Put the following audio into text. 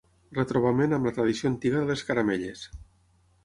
Retrobament amb la tradició antiga de les caramelles.